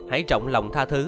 hãy trọng lòng thá thứ